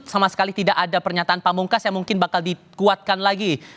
sama sekali tidak ada pernyataan pak mungkas yang mungkin bakal dikuatkan lagi